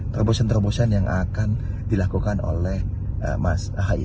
terbosan terbosan yang akan dilakukan oleh mas ahayu